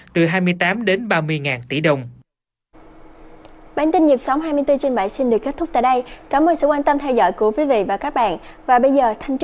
từ hai mươi tám đến ba mươi tỷ đồng